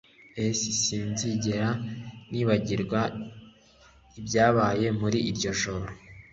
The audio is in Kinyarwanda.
S Sinzigera nibagirwa ibyabaye muri iryo joro